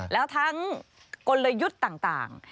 แล้วทั้งกลยุทธ์ต่าง